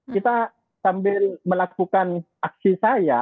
kita sambil melakukan aksi saya